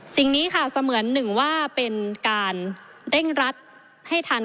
สิ่งนี้ค่ะเสมือนหนึ่งว่าเป็นการเร่งรัดให้ทัน